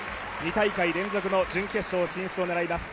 ２大会連続の準決勝進出を狙います。